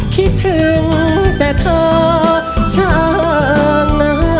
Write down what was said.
คิดถึงแต่เธอช่าง